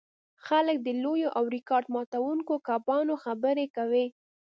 خلک د لویو او ریکارډ ماتوونکو کبانو خبرې کوي